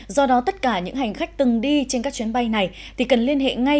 do đó tất cả những hành khách từng đi trên các chuyến bay này thì cần liên hệ ngay